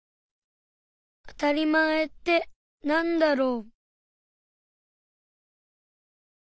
あたりまえってなんだろう？